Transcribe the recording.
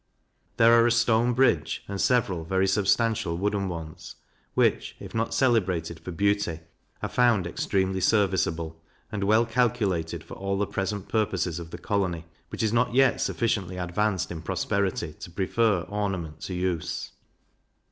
There are a stone bridge, and several very substantial wooden ones, which, if not celebrated for beauty, are found extremely serviceable, and well calculated for all the present purposes of the colony, which is not yet sufficiently advanced in prosperity to prefer ornament to use.